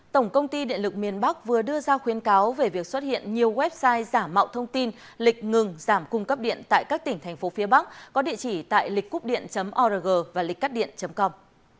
tổng công ty điện lực miền bắc vừa đưa ra khuyến cáo về việc xuất hiện nhiều website giả mạo thông tin lịch ngừng giảm cung cấp điện tại các tỉnh thành phố phía bắc có địa chỉ tại lịchcúpdiện org và lịchcắtdiện com